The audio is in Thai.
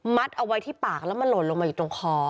เอาไว้ที่ปากแล้วมันหล่นลงมาอยู่ตรงคอ